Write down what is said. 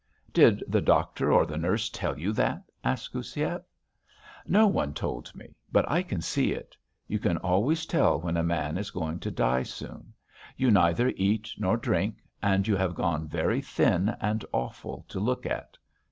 "Did the doctor or the nurse tell you that?" asked Goussiev. "No one told me, but I can see it. You can always tell when a man is going to die soon. You neither eat nor drink, and you have gone very thin and awful to look at.